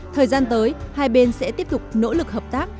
thời gian tới hai bên sẽ tiếp tục nỗ lực hợp tác